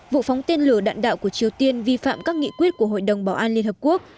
vụ phóng tên lửa đạn đạo của triều tiên vi phạm các nghị quyết của hội đồng bảo an liên hợp quốc